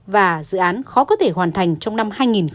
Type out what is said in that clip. và dự án khó có thể hoàn thành trong năm hai nghìn hai mươi